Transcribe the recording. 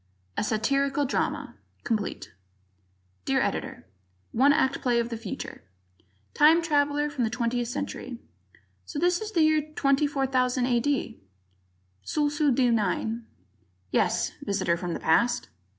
A Satirical Drama Complete Dear Editor: One Act Play of the Future Time traveler from the Twentieth Century: "So this is the year 24,000 A.D.?" Sulsu D 9: "Yes, Visitor from the Past."